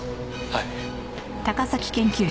はい。